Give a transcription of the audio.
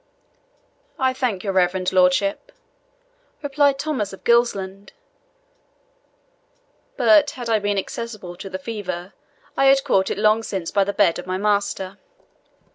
"I thank your reverend lordship," replied Thomas of Gilsland; "but had I been accessible to the fever, I had caught it long since by the bed of my master."